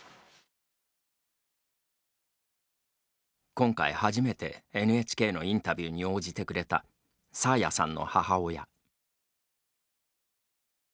今回初めてＮＨＫのインタビューに応じてくれた爽彩さんの母親。